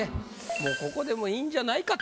もうここでもいいんじゃないかと。